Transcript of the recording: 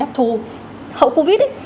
đáp thu hậu covid